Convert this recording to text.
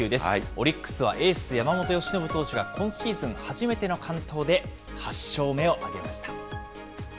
オリックスはエース、山本由伸投手が今シーズン初めての完投で８勝目を挙げました。